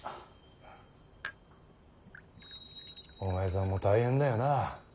お前さんも大変だよな